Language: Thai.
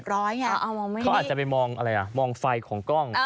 เขาอาจจะไปมองอะไรอ่ะมองไฟของกล้อง